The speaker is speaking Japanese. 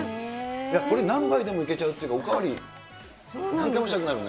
これ、何杯でもいけちゃうっていうか、お代わり、何回もしたくなるね。